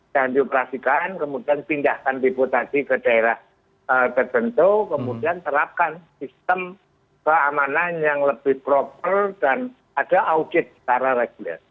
dioperasikan kemudian pindahkan depo tadi ke daerah tertentu kemudian terapkan sistem keamanan yang lebih proper dan ada audit secara reguler